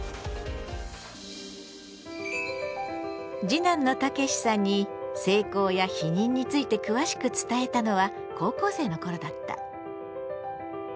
次男のたけしさんに性交や避妊について詳しく伝えたのは高校生の頃だった。